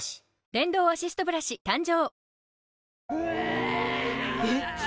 電動アシストブラシ誕生！